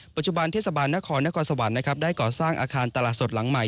ปัจจุบันเทศบาลนครนครสวรรค์นะครับได้ก่อสร้างอาคารตลาดสดหลังใหม่